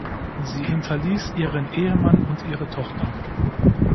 Sie hinterließ ihren Ehemann und ihre Tochter.